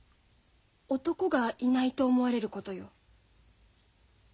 男がいないと思われることよ。